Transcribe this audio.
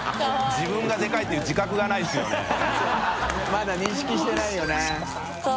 まだ認識してないよね。